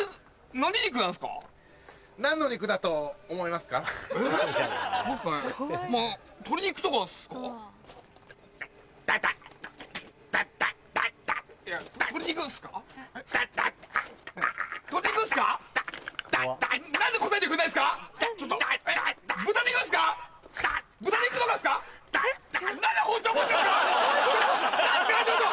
何すかちょっと！